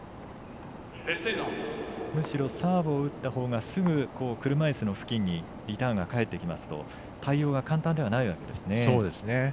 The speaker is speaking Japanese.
むしろサーブを打ったほうがすぐ、車いすの付近にリターンが返ってきますと対応が簡単ではないわけですね。